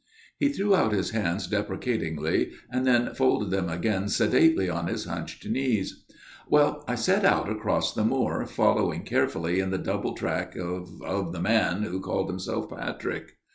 He threw out his hands deprecatingly, and then folded them again sedately on his hunched knees. " Well, I set out across the moor, following carefully in the double track of of the man who called himself Patrick.